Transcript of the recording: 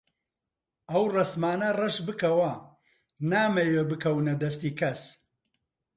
ئەو ڕەسمانە ڕەش بکەوە، نامەوێ بکەونە دەستی کەس.